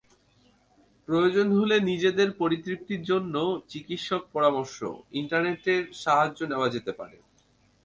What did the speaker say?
প্রয়োজন হলে নিজেদের পরিতৃপ্তির জন্য চিকিৎসক-পরামর্শ, ইন্টারনেটের সাহায্য নেওয়া যেতে পারে।